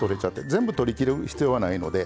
全部取りきる必要はないので。